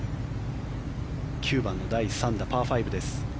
９番の第３打パー５です。